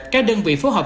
các đơn vị phù hợp